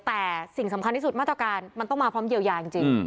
แต่สิ่งสำคัญที่สุดมาตรการมันต้องมาพร้อมเยียวยาจริง